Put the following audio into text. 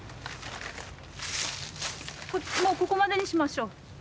もうここまでにしましょう。